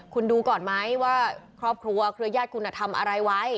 คุณดูก่อนไหมว่าครอบครัวเครือญาติคุณทำอะไรไว้